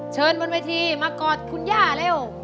เชิญบนวัยทีมากอดคุณย่าเร็ว